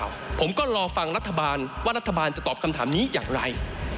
ว่ารัฐบาลจะตอบคำถามนี้อย่างไร